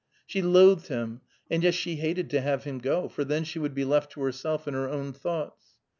She loathed him, and yet she hated to have him go; for then she would be left to herself and her own thoughts.